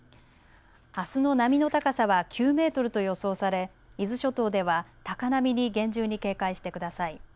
あすの波の高さは９メートルと予想され伊豆諸島では高波に厳重に警戒してください。